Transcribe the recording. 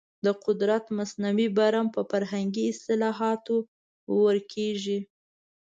د قدرت مصنوعي برم په فرهنګي اصلاحاتو ورکېږي.